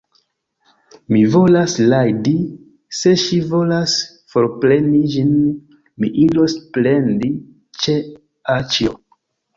Mi volas rajdi; se ŝi volas forpreni ĝin, mi iros plendi ĉe aĉjo.